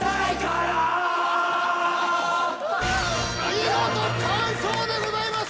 見事完奏でございます